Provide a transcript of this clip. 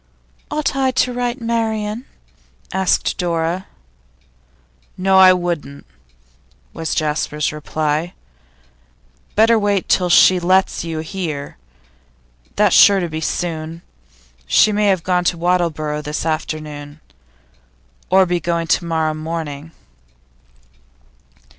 'Ought I to write to Marian?' asked Dora. 'No; I wouldn't,' was Jasper's reply. 'Better wait till she lets you hear. That's sure to be soon. She may have gone to Wattleborough this afternoon, or be going to morrow morning.